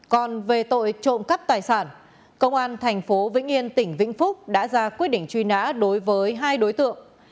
còn về tội trộm cắt tài sản công an thành phố vĩnh yên tỉnh vĩnh phúc đã ra quyết định truy nã đối với hai đối tượng